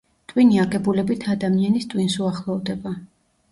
ტვინი აგებულებით ადამიანის ტვინს უახლოვდება.